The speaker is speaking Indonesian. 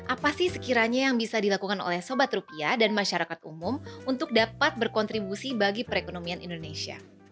apa sih sekiranya yang bisa dilakukan oleh sobat rupiah dan masyarakat umum untuk dapat berkontribusi bagi perekonomian indonesia